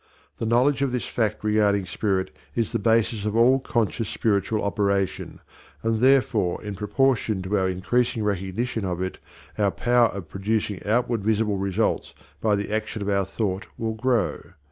The knowledge of this fact regarding spirit is the basis of all conscious spiritual operation, and therefore in proportion to our increasing recognition of it our power of producing outward visible results by the action of our thought will grow.